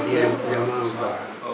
dia yang punya maung